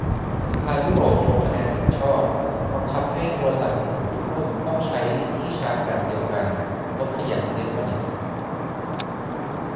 สภายุโรปลงคะแนนเห็นชอบ บังคับให้โทรศัพท์มือถือทุกรุ่นต้องใช้ที่ชาร์จแบบเดียวกัน ลดขยะอิเล็กทรอนิกส์